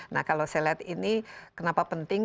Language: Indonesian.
nah kalau saya lihat ini kenapa penting